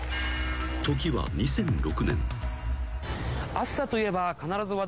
［時は２００６年］